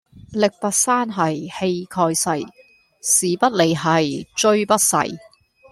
力拔山兮氣蓋世，時不利兮騅不逝